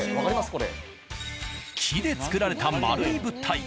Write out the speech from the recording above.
木で作られた丸い物体。